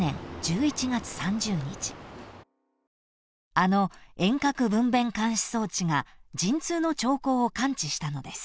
［あの遠隔分娩監視装置が陣痛の兆候を感知したのです］